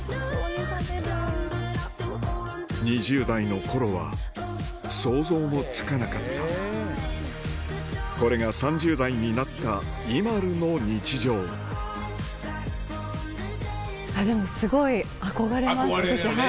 ２０代の頃は想像もつかなかったこれが３０代になったＩＭＡＬＵの日常憧れるよね。